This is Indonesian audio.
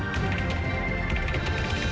tahlilan itu biasa